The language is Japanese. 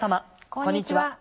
こんにちは。